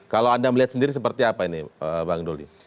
kalau anda melihat sendiri seperti apa ini bang doli